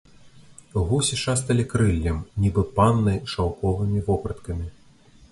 Гусі шасталі крыллем, нібы панны шаўковымі вопраткамі.